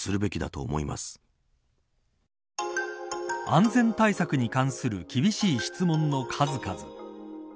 安全対策に関する厳しい質問の数々。